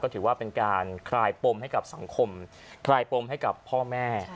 ถือว่าเป็นการคลายปมให้กับสังคมคลายปมให้กับพ่อแม่